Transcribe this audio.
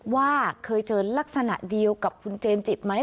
ว่าเคยเจอลักษณะเดียวกับคุณเจนจิตไหม